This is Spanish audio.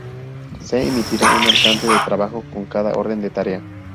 Se emitirá un alcance de trabajo con cada orden de tarea.